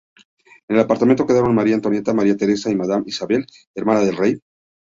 En el apartamento quedaron María Antonieta, María Teresa y Madame Isabel, hermana del rey.